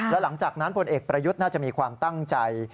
และหลังจากนั้นพลเอกประยุทธ์น่าจะมีความตั้งใจ